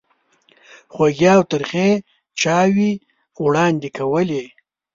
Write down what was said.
خوږې او ترخې چایوې وړاندې کولې.